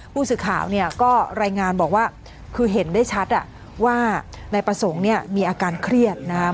ผู้สื่อข่าวเนี่ยก็รายงานบอกว่าคือเห็นได้ชัดว่านายประสงค์เนี่ยมีอาการเครียดนะครับ